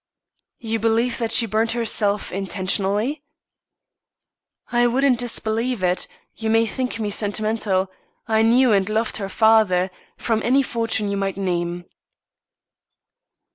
"You believe that she burnt herself intentionally?" "I wouldn't disbelieve it you may think me sentimental; I knew and loved her father for any fortune you might name."